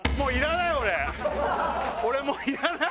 俺もういらない！